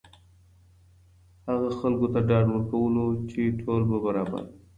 هغه خلکو ته ډاډ ورکولو چې ټول به برابر وي.